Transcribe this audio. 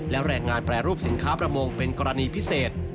และแรงงานแปรรูปสินค้าประมงเป็นกรณีพิเศษ